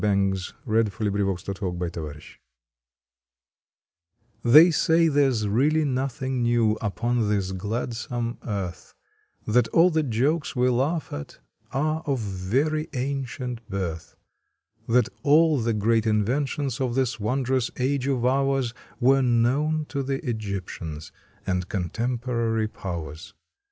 June Twenty fifth THE OLD AND THE NEW r PHEY say there s really nothing new upon this gladsome earth; That all the jokes we laugh at are of very ancient birth; That all the great inventions of this won drous age of ours Were known to the Egyptians and con temporary powers.